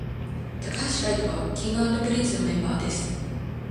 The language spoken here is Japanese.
髙橋海人は King & Prince のメンバーです